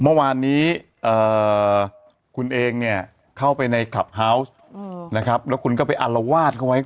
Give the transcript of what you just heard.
เมื่อวานนี้เอ่อคุณเองเนี้ยเข้าไปในคลับนะครับแล้วคุณก็ไปอารวาสเขาไว้